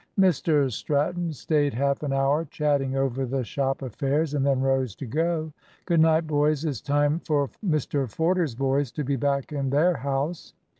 Mr Stratton stayed half an hour chatting over the shop affairs, and then rose to go. "Good night, boys. It's time for Mr Forder's boys to be back in their house."